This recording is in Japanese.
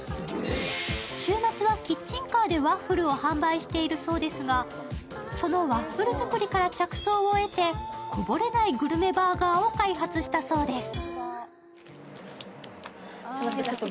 週末はキッチンカーでワッフルを販売しているそうですがそのワッフル作りから着想を得てこぼれないグルメバーガーを開発したそうです。